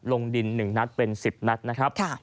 ลงดินหนึ่งนัดเป็นสิบนัดนะครับ